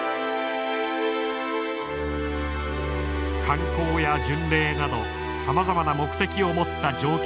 観光や巡礼などさまざまな目的を持った乗客たち。